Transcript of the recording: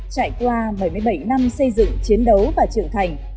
trải qua bảy mươi bảy năm xây dựng chiến đấu và trưởng thành